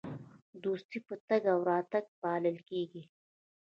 دوستي په تګ او راتګ پالل کیږي.